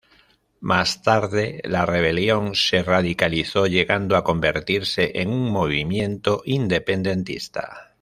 Más tarde la rebelión se radicalizó llegando a convertirse en un movimiento independentista.